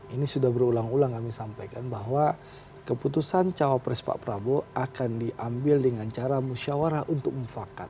ini sudah berulang ulang kami sampaikan bahwa keputusan cawapres pak prabowo akan diambil dengan cara musyawarah untuk mufakat